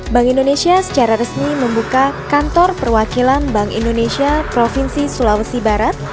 bank indonesia secara resmi membuka kantor perwakilan bank indonesia provinsi sulawesi barat